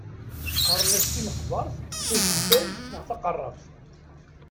Qqaren-as timeqbert, tajebbant neɣ taqerrabt.